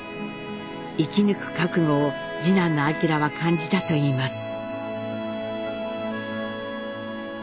生き抜く覚悟を次男の晃は感じたといいます。